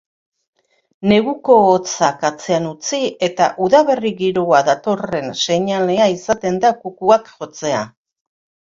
Neguko hotzak atzean utzi eta udaberri giroa datorren seinale izaten da kukuak jotzea.